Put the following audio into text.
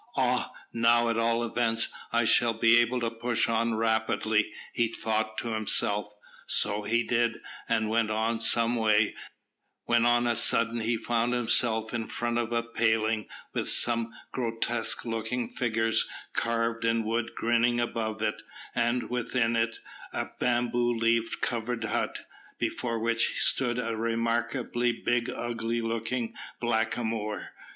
"Ah! now, at all events, I shall be able to push on rapidly," he thought to himself. So he did, and he went on some way, when on a sudden he found himself in front of a pailing with some grotesque looking figures carved in wood grinning above it, and within it a bamboo leaf covered hut, before which stood a remarkably big ugly looking blackamoor.